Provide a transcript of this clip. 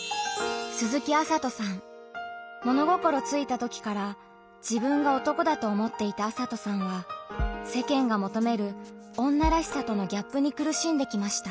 物心ついたときから自分が男だと思っていた麻斗さんは世間が求める「女らしさ」とのギャップに苦しんできました。